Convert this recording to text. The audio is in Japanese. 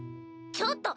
ちょっと！